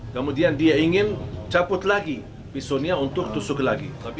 kemudian dia ingin caput lagi pisaunya untuk tusuk lagi